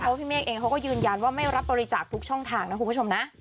เพราะพี่เมฆเองเขาก็ยืนยันว่าไม่รับบริจาคทุกช่องทางนะคุณผู้ชมนะ